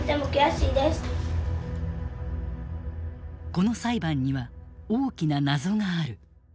この裁判には大きな謎がある。